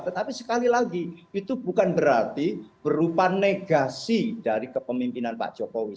tetapi sekali lagi itu bukan berarti berupa negasi dari kepemimpinan pak jokowi